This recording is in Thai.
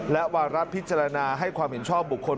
และวาระพิจารณาให้ความเห็นชอบบุคคล